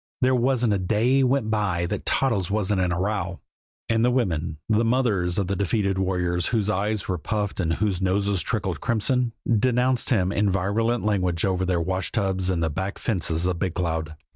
There wasn't a day went by that Toddles wasn't in a row; and the women, the mothers of the defeated warriors whose eyes were puffed and whose noses trickled crimson, denounced him in virulent language over their washtubs and the back fences of Big Cloud.